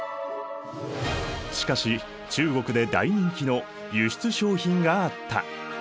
しかし中国で大人気の輸出商品があった。